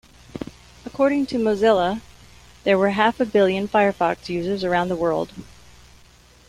According to Mozilla, there were half a billion Firefox users around the world.